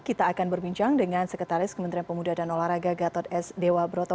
kita akan berbincang dengan sekretaris kementerian pemuda dan olahraga gatot s dewa broto